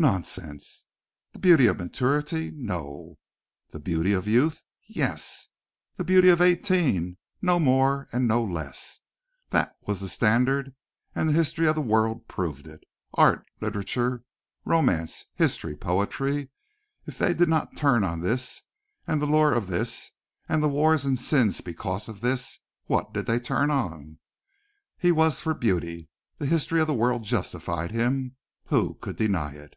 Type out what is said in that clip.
Nonsense! The beauty of maturity? No! The beauty of youth? Yes. The beauty of eighteen. No more and no less. That was the standard, and the history of the world proved it. Art, literature, romance, history, poetry if they did not turn on this and the lure of this and the wars and sins because of this, what did they turn on? He was for beauty. The history of the world justified him. Who could deny it?